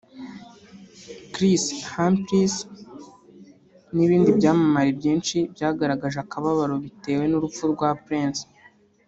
Kris Humphries n’ibindi byamamare byinshi byagaragaje akababaro bitewe n’urupfu rwa Prince